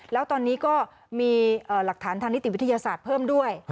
แล้วตอนนี้ก็มีหลักฐานทางนิติวิทยาศาสตร์เพิ่มด้วย